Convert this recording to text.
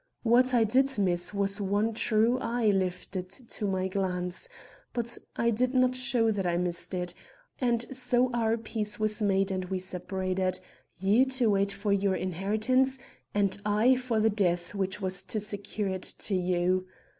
What I did miss was one true eye lifted to my glance; but I did not show that I missed it; and so our peace was made and we separated, you to wait for your inheritance, and I for the death which was to secure it to you.